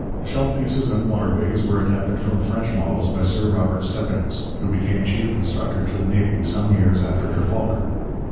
Shelf pieces and waterways were adapted from French models by Sir Robert Seppings, who became chief constructor to the Navy some years after Trafalgar.